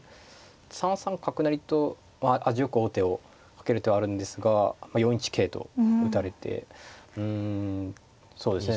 ３三角成と味よく王手をかける手はあるんですが４一桂と打たれてうんそうですね。